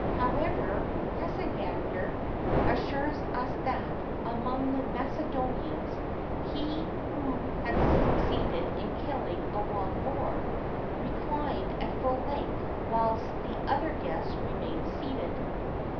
[XXXII 45] However, Hegesander assures us that, among the Macedonians, he who had succeeded in killing a wild boar, reclined at full length, whilst the other guests remained seated.